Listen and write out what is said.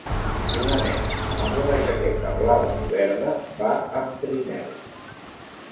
Una nena amb una jaqueta blava i verda va amb trineu.